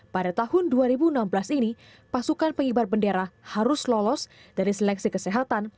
pada tahun dua ribu enam belas ini pasukan pengibar bendera harus lolos dari seleksi kesehatan